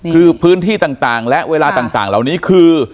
คือพื้นที่ต่างและเวลาต่างเหล่านี้คือ